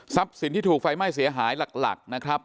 ทรัพย์สินที่ถูกไฟไม่เสียหายหลักนะครับ